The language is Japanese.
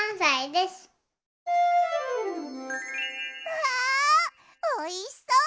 うわおいしそう！